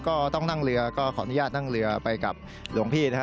ก็ต้องนั่งเรือก็ขออนุญาตนั่งเรือไปกับหลวงพี่นะฮะ